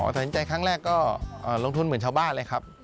ตัดสินใจครั้งแรกก็ลงทุนเหมือนชาวบ้านเลยครับ